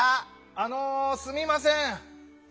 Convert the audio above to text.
あのすみません。